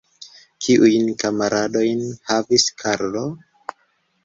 Kiujn kamaradojn havis Karlo?